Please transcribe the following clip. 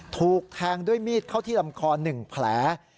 ถูกแทงด้วยมีดเข้าที่ลำคอ๑แผล